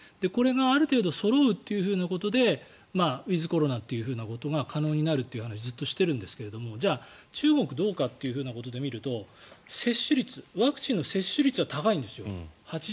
これがある程度そろうということでウィズコロナが可能になるという話をずっとしているんですがじゃあ中国はどうかということで見るとワクチンの接種率は高いんですよ。